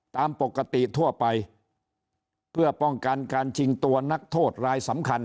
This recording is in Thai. ตามปกติทั่วไปเพื่อป้องกันการชิงตัวนักโทษรายสำคัญ